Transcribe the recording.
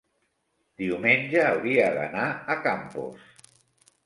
Diumenge hauria d'anar a Campos.